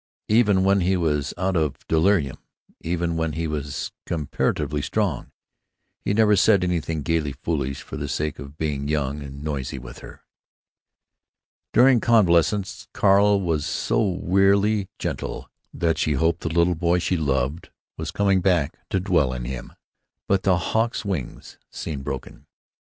Even when he was out of delirium, even when he was comparatively strong, he never said anything gaily foolish for the sake of being young and noisy with her. During convalescence Carl was so wearily gentle that she hoped the little boy she loved was coming back to dwell in him. But the Hawk's wings seemed broken.